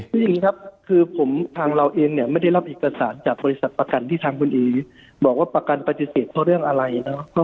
คืออย่างนี้ครับคือผมทางเราเองเนี่ยไม่ได้รับเอกสารจากบริษัทประกันที่ทางคุณอีบอกว่าประกันปฏิเสธเพราะเรื่องอะไรนะครับ